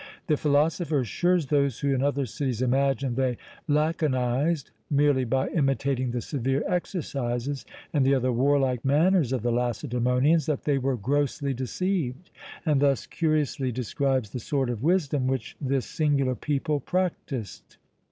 The philosopher assures those who in other cities imagined they laconised, merely by imitating the severe exercises and the other warlike manners of the Lacedæmonians, that they were grossly deceived; and thus curiously describes the sort of wisdom which this singular people practised.